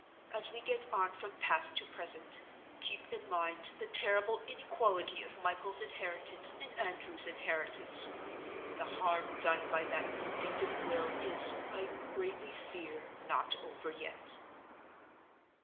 As we get on from past to present, keep in mind the terrible inequality of Michael's inheritance and Andrew's inheritance. The harm done by that vindictive will is, I greatly fear, not over yet.